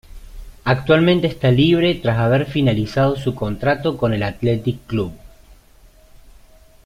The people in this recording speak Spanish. Actualmente está libre tras haber finalizado su contrato con el Athletic Club.